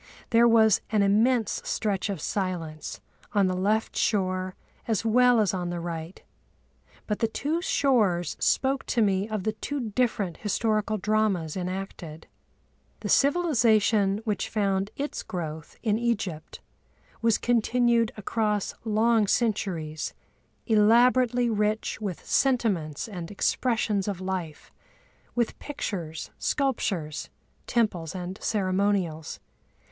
There was an immense stretch of silence on the left shore as well as on the right, but the two shores spoke to me of the two different historical dramas enacted. The civilisation which found its growth in Egypt was continued across long centuries, elaborately rich with sentiments and expressions of life, with pictures, sculptures, temples, and ceremonials.